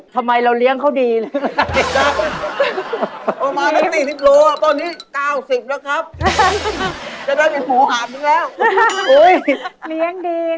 ทำไมเราเลี้ยงเขาดีเลย